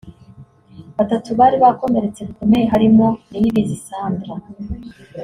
Batatu bari bakomeretse bikomeye harimo Niyibizi Sandra